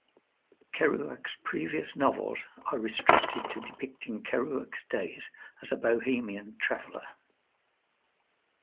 Kerouac's previous novels are restricted to depicting Kerouac's days as a bohemian traveller.